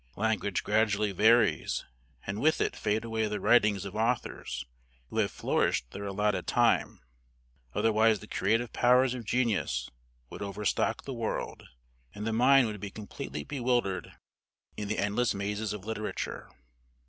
Language gradually varies, and with it fade away the writings of authors who have flourished their allotted time; otherwise the creative powers of genius would overstock the world, and the mind would be completely bewildered in the endless mazes of literature.